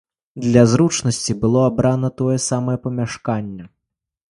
Для зручнасці было абрана тое самае памяшканне.